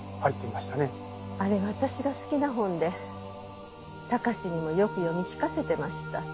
あれ私が好きな本で貴史にもよく読み聞かせてました。